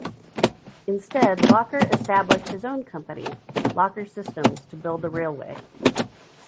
Instead, Locher established his own company "Locher Systems" to build the railway.